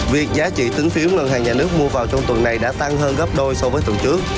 việc giá trị tính phiếu ngân hàng nhà nước mua vào trong tuần này đã tăng hơn gấp đôi so với tuần trước